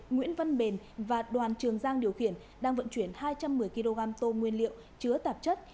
nguyễn văn bền và đoàn trường giang điều khiển đang vận chuyển hai trăm một mươi kg tôm nguyên liệu chứa tạp chất